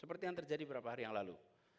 seperti yang terjadi beberapa hari yang lalu